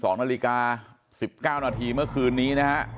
๒นาฬิกา๑๙นาทีเมื่อคืนนี้นะฮะ